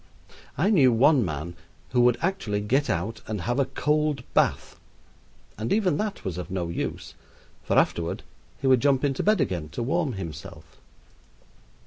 I knew one man who would actually get out and have a cold bath; and even that was of no use, for afterward he would jump into bed again to warm himself.